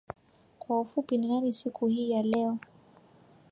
kwa ufupi ni nani siku hii ya leo